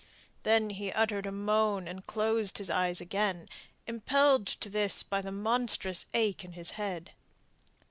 Then he uttered a moan, and closed his eyes again, impelled to this by the monstrous ache in his head.